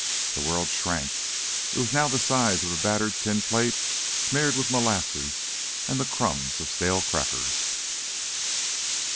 The world shrank; it was now the size of a battered tin plate smeared with molasses and the crumbs of stale crackers.